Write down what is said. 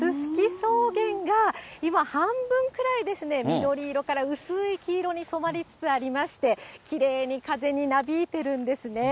草原が今、半分くらいですね、緑色から薄い黄色に染まりつつありまして、きれいに風になびいてるんですね。